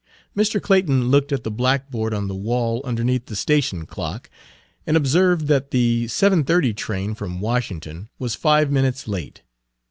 Mr. Clayton looked at the blackboard on the wall underneath the station clock, and observed that the 7.30 train from Washington was five minutes late.